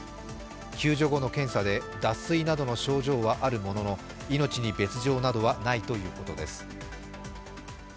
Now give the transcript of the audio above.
救助後の検査で脱水などの招状はあるものの、命に別状などはないということです。